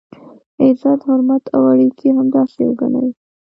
عزت، حرمت او اړیکي همداسې وګڼئ.